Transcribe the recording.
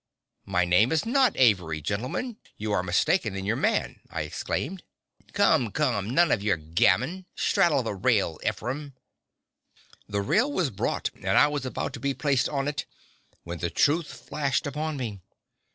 "My name is not Avery, gentlemen; you are mistaken in your man," I exclaimed. "Come, come, none of your gammon; straddle the rail, Ephraim." The rail was brought and I was about to be placed on it, when the truth flashed upon me.